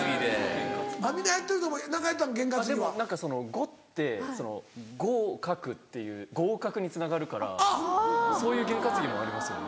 ５って「５を書く」っていう合格につながるからそういう験担ぎもありますよね。